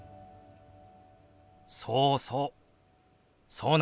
そうそう！